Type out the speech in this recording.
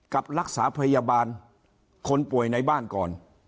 กับรักษาพยาบาลคนป่วยในบ้านก่อน